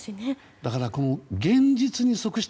だから、現実に即した。